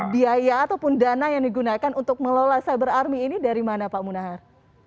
biaya ataupun dana yang digunakan untuk mengelola cyber army ini dari mana pak munahar